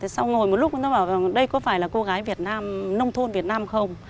sau ngồi một lúc người ta bảo đây có phải là cô gái việt nam nông thôn việt nam không